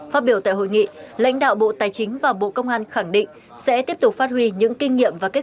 phát biểu tại hội nghị lãnh đạo bộ tài chính và bộ công an khẳng định sẽ tiếp tục phát huy những kinh nghiệm và kết